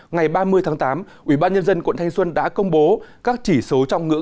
ngày ba mươi tháng tám ủy ban nhân dân quận thanh xuân đã công bố các chỉ số trong ngữ